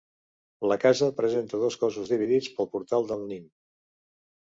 La casa presenta dos cossos dividits pel portal del Nin.